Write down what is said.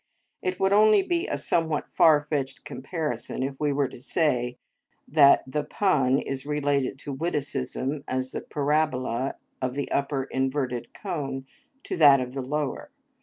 It would only be a somewhat far fetched comparison if we were to say that the pun is related to the witticism as the parabola of the upper inverted cone to that of the lower.